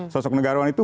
sosok negarawan itu